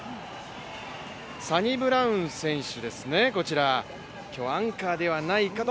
サニブラウン選手ですね、今日アンカーではないかと。